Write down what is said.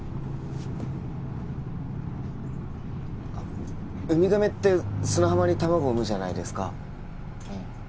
あっウミガメって砂浜に卵産むじゃないですかうん